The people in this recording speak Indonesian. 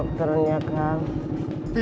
kalau makan udin